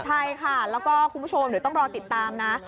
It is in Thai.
ใช่ค่ะแล้วก็คุณผู้ชมเดี๋ยวต้องรอติดตามนะ